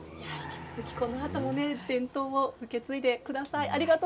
引き続きこのあとも伝統を引き継いでください。